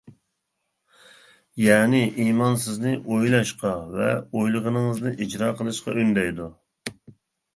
يەنى، ئىمان سىزنى ئويلاشقا، ۋە ئويلىغىنىڭىزنى ئىجرا قىلىشقا ئۈندەيدۇ.